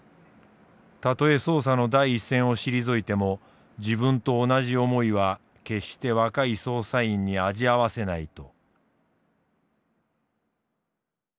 たとえ捜査の第一線を退いても自分と同じ思いは決して若い捜査員に味わわせないと。